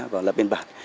và làm biên bản